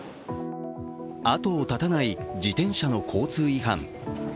後を絶たない自転車の交通違反。